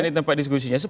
di tempat diskusinya